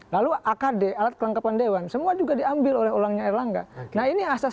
lalu akd alat kelengkapan dewan semua juga diambil oleh orangnya erlangga nah ini asas